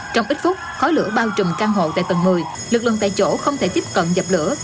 trong ít phút khói lửa bao trùm căn hộ tại tầng một mươi lực lượng tại chỗ không thể tiếp cận dập lửa